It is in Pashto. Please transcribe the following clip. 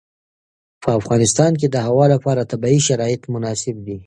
په افغانستان کې د هوا لپاره طبیعي شرایط مناسب دي.